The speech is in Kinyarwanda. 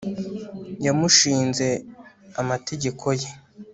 yamushinze amategeko ye